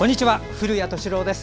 古谷敏郎です。